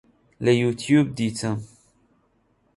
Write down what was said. لە یوتیوب دیتم